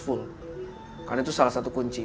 full karena itu salah satu kunci